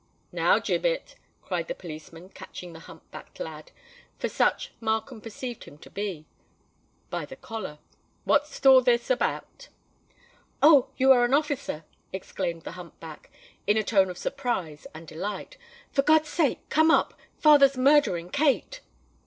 "Now, Gibbet," cried the policeman, catching the hump backed lad—for such Markham perceived him to be—by the collar, "what's all this about?" "Oh! you are an officer!" exclaimed the hump back, in a tone of surprise and delight: "for God's sake come up—father's murdering Kate!"